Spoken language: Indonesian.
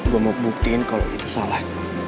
gue mau buktiin kalau itu salah